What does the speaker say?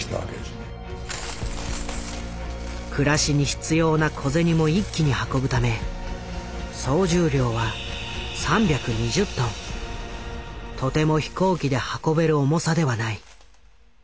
暮らしに必要な小銭も一気に運ぶため総重量はとても飛行機で運べる重さではない。